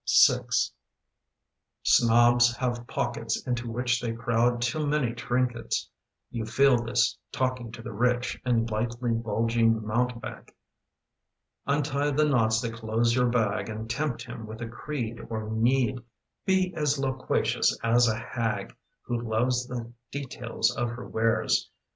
VI i3N0BS have pockets into which They crowd too many trinkets. You feel this, talking to the rich And lightly bulging mountebank. Untie the knots that close your bag And tempt him with a creed or need. Be as loquacious as a hag Who loves the details of her wares.